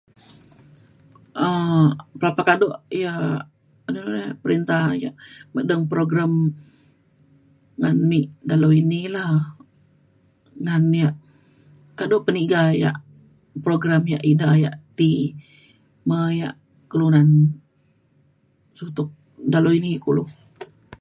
um pelapah kado ia’ dulu re perinta [unintelligible] deng program ngan [unintelligible] dalau ini la ngan ia’ kado peniga ia’ program ia’ ida ka ti me ia’ kelunan sutuk dalau ini kulu